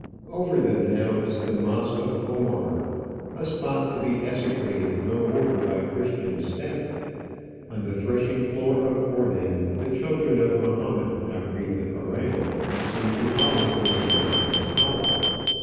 Over them now is the Mosque of Omar a spot to be desecrated no more by Christian step. On the threshing floor of Ornan, the children of Mahomet now read the Koran and sing to Allah with monotonous howl.